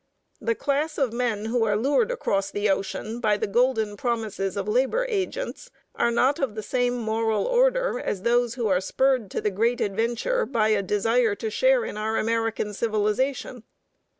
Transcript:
The class of men who are lured across the ocean by the golden promises of labor agents are not of the same moral order as those who are spurred to the great adventure by a desire to share in our American civilization.